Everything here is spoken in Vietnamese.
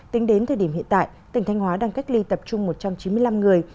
tính đến thời điểm hiện tại tỉnh thanh hóa đang cách ly tập trung một trăm chín mươi năm người